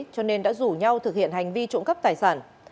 cho nên đã rủ nhau thực hiện hành vi trộm cắp tài sản